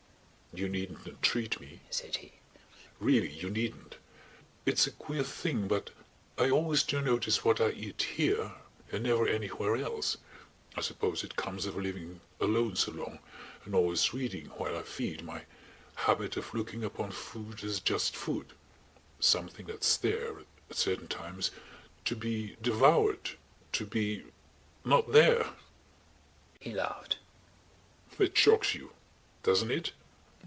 '" "You needn't entreat me," said he. "Really you needn't. It's a queer thing but I always do notice what I eat here and never anywhere else. I suppose it comes of living alone so long and always reading while I feed ... my habit of looking upon food as just food ... something that's there, at certain times ... to be devoured ... to be ... not there." He laughed. "That shocks you. Doesn't it?"